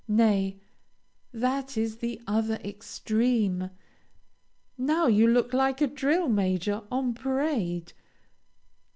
Nay, that is the other extreme! Now you look like a drill major, on parade!